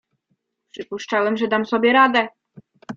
"Przypuszczałem, że dam sobie radę."